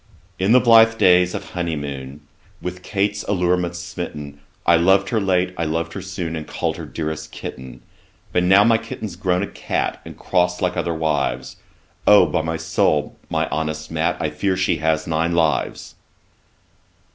'In the blithe days of honey moon, With Kate's allurements smitten, I lov'd her late, I lov'd her soon, And call'd her dearest kitten. But now my kitten's grown a cat, And cross like other wives, O! by my soul, my honest Mat, I fear she has nine lives.'